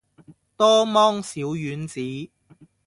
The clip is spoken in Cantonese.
多芒小丸子